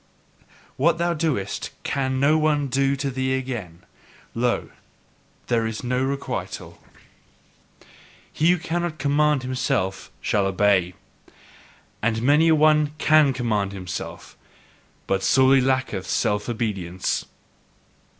What thou doest can no one do to thee again. Lo, there is no requital. He who cannot command himself shall obey. And many a one CAN command himself, but still sorely lacketh self obedience!